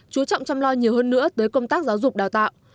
chú trọng chăm lo nhiều hơn nữa tới công tác giáo dục đào tạo